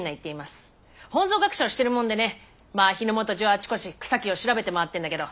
本草学者をしてるもんでねまぁ日の本中あちこち草木を調べて回ってんだけど。